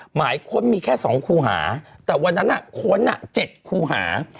หมายค้นมีแค่สองคู่หาแต่วันนั้นค้นเจ็ดคู่หา